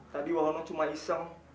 tadi wahono cuma iseng